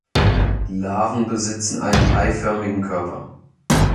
Die Larven besitzen einen eiförmigen Körper.